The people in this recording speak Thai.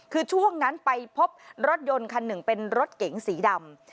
คือช่วงนั้นไปพบรถยนต์คันหนึ่งเป็นรถเก๋งสีดำ